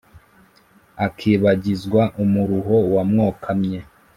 akibagizwa umuruho wamwokamye